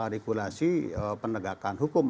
regulasi penegakan hukum